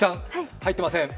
入ってません。